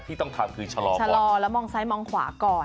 ต้องทำคือชะลอชะลอแล้วมองซ้ายมองขวาก่อน